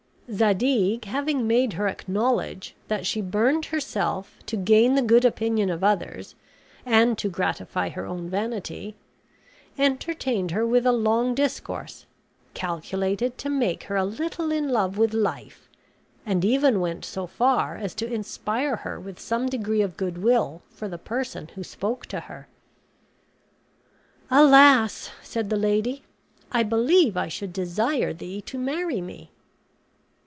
Zadig having made her acknowledge that she burned herself to gain the good opinion of others and to gratify her own vanity, entertained her with a long discourse, calculated to make her a little in love with life, and even went so far as to inspire her with some degree of good will for the person who spoke to her. "Alas!" said the lady, "I believe I should desire thee to marry me."